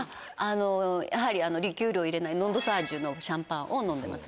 やはりリキュールを入れないノン・ドサージュのシャンパンを飲んでます。